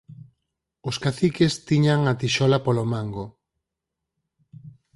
Os caciques tiñan a tixola polo mango